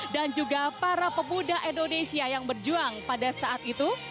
dan juga para pemuda indonesia yang berjuang pada saat itu